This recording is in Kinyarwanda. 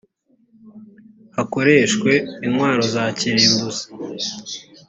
hakoreshwe intwaro za kirimbuzi